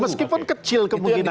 meskipun kecil kemungkinan ini